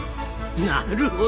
なるほど。